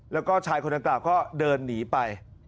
แล้วก็ชายคนดังกล่าวก็เดินหนีไป